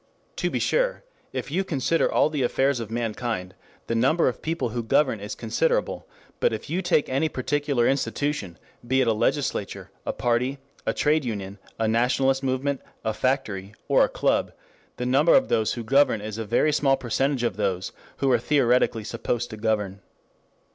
To be sure if you consider all the affairs of mankind the number of people who govern is considerable, but if you take any particular institution, be it a legislature, a party, a trade union, a nationalist movement, a factory, or a club, the number of those who govern is a very small percentage of those who are theoretically supposed to govern.